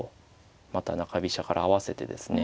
また中飛車から合わせてですね